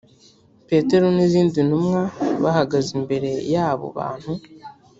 petero n’izindi ntumwa bahagaze imbere y’abo bantu